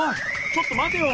ちょっとまてよ！